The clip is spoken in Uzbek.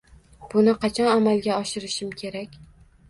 Buni qachon amalga oshirishim kerak